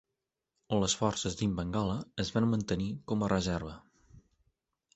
Les forces d'Imbangala es van mantenir com a reserva.